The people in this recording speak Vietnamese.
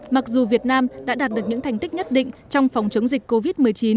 mặc dù việt nam đã đạt được những thành tích nhất định trong phòng chống dịch covid một mươi chín